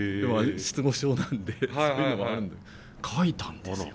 失語症なんでそういうのがあるんで書いたんですよ。